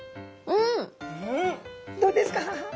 うんどうですか？